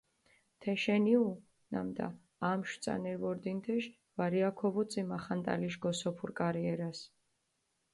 თეშენ იჸუ, ნამდა ამშვ წანერი ვორდინ თეშ ვარია ქოვუწი მახანტალიშ გოსოფურ კარიერას.